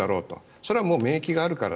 それは免疫があるから。